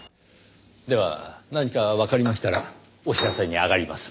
では何かわかりましたらお知らせに上がります。